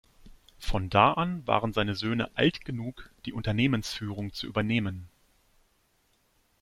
Von da an waren seine Söhne alt genug die Unternehmensführung zu übernehmen.